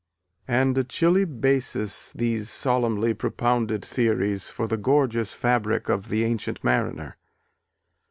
And a chilly basis, these solemnly propounded theories, for the gorgeous fabric of The Ancient Mariner.